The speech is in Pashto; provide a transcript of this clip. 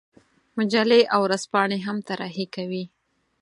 مجلې او ورځپاڼې هم طراحي کوي.